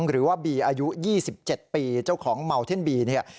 หรือว่าบีอายุยี่สิบเจ้าของเนี่ย